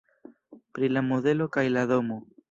Pri la modelo kaj la domo.